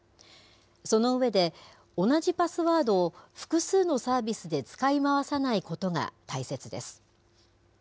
その上で、同じパスワードを複数のサービスで使い回さないことが大切です。